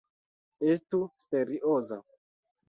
Estu serioza!